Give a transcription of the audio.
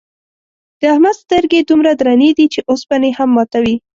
د احمد سترگې دومره درنې دي، چې اوسپنې هم ماتوي.